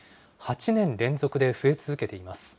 ８年連続で増え続けています。